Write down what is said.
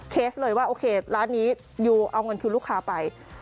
เคสเลยว่าโอเคร้านนี้ยูเอาเงินคืนลูกค้าไป